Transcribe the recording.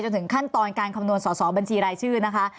ถึงขั้นตอนการคำนวณสอสอบัญชีรายชื่อนะคะ